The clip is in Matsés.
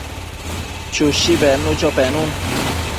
Chushi bednucho penun